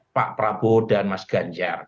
pak prabowo dan mas ganjar